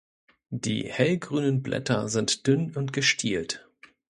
Die hellgrünen Blätter sind dünn und gestielt.